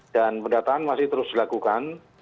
pendataan masih terus dilakukan